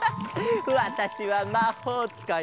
わたしはまほうつかい。